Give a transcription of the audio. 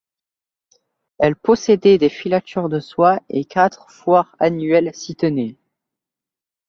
Elle possédait des filatures de soie et quatre foires annuelles s'y tenaient.